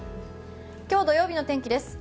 今日土曜日の天気です。